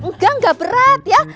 enggak enggak berat ya